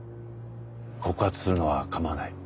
告発するのは構わない。